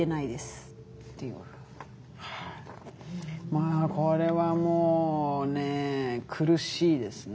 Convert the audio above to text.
まあこれはもうね苦しいですね。